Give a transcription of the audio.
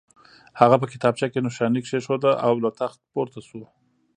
هغه په کتابچه کې نښاني کېښوده او له تخت پورته شو